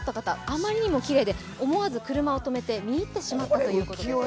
あまりにもきれいで思わず車を止めて見入ってしまったということです。